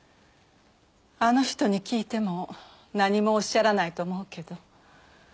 あの人に聞いても何もおっしゃらないと思うけど。